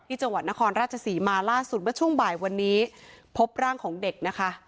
จังหวัดนครราชศรีมาล่าสุดเมื่อช่วงบ่ายวันนี้พบร่างของเด็กนะคะ